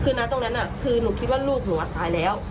คือนะตรงนั้นคือหนูคิดว่าลูกหนูตายแล้ว